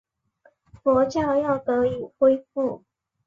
佛教又得以恢复。